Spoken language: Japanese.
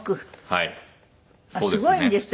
すごいんですって？